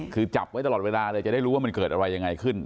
คือจับไว้ตลอดเวลาเลยจะได้รู้ว่ามันเกิดอะไรยังไงขึ้น